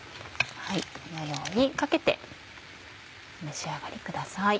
このようにかけてお召し上がりください。